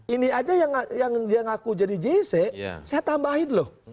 ini aja yang dia ngaku jadi jc saya tambahin loh